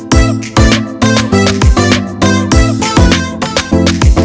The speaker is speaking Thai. ดนตรี